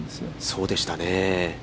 そうでしたね。